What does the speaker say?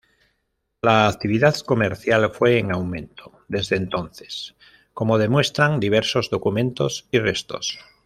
La actividad comercial fue en aumento desde entonces, como demuestran diversos documentos y restos.